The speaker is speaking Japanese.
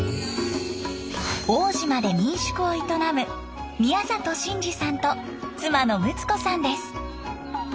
奥武島で民宿を営む宮里真次さんと妻のむつ子さんです。